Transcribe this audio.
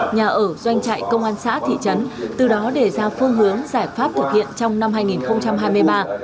nhà ở doanh trại công an xã thị trấn từ đó đề ra phương hướng giải pháp thực hiện trong năm hai nghìn hai mươi ba